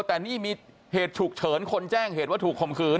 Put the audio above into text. แต่นี่มีเหตุฉุกเฉินคนแจ้งเหตุว่าถูกคมคืน